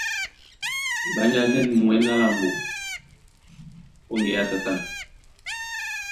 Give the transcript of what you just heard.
Eɓánjá na ɛ̂n mwɛ̌n á lambo ó ŋgeá tatân.